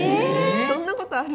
そんなことある？